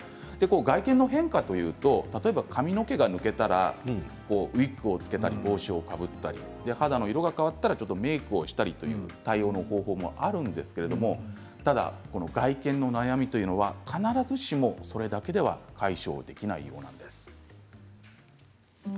外見の変化というと例えば、髪の毛が抜けたらウイッグをつけたり帽子をかぶったり肌の色が変わったらちょっとメークをしたりという対応の方法もあるんですけれどもただ外見の悩みというのは必ずしも、それだけでは解消できないようなんです。